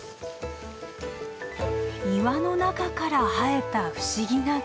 岩の中から生えた不思議な木。